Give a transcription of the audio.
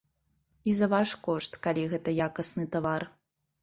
І за ваш кошт, калі гэта якасны тавар.